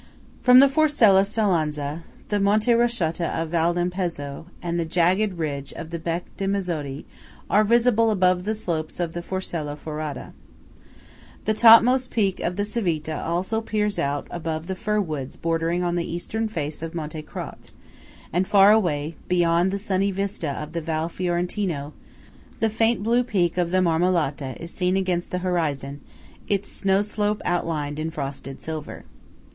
From the Forcella Staulanza, the Monte Rochetta of Val d'Ampezzo, and the jagged ridge of the Bec di Mezzodi, are visible above the slopes of the Forcella Forada. The topmost peak of the Civita also peers out above the fir woods bordering the eastern face of Monte Crot; and far away, beyond the sunny vista of the Val Fiorentino, the faint blue peak of the Marmolata is seen against the horizon, its snow slope outlined in frosted silver.